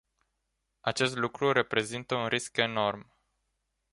Acest lucru reprezintă un risc enorm.